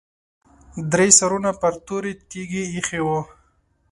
درې سرونه پر تورې تیږې ایښي وو.